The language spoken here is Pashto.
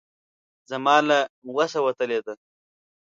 زما له وسه وتلې ده.